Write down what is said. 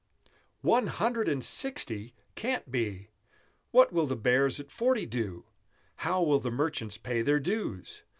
One Hundred and Sixty! Can't be true! What will the bears at forty do? How will the merchants pay their dues?